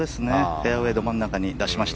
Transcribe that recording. フェアウェーど真ん中に出しました。